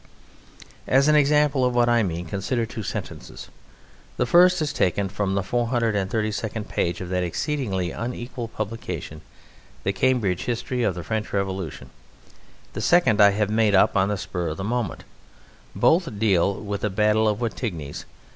As an example of what I mean, consider two sentences: The first is taken from the 432nd page of that exceedingly unequal publication, the Cambridge History of the French Revolution; the second I have made up on the spur of the moment; both deal with the Battle of Wattignies.